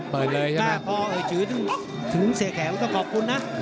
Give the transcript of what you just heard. กล้าพอเอ่ยชีวิตถึงเสแขกแล้วก็ขอบคุณนะ